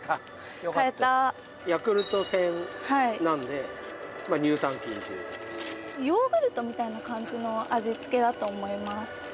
よかったヤクルト戦なんでまあ「乳酸菌」というヨーグルトみたいな感じの味付けだと思います